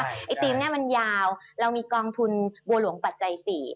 ไอ้ทีมนี้มันยาวเรามีกองทุนบัวหลวงปัจจัย๔